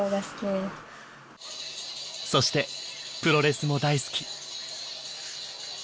そしてプロレスも大好き。